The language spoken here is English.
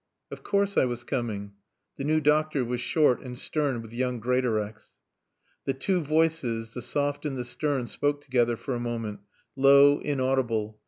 "Of course I was coming." The new doctor was short and stern with young Greatorex. The two voices, the soft and the stern, spoke together for a moment, low, inaudible.